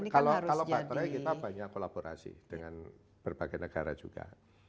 kalau baterai kita banyak kolaborasi dengan berbagai negara juga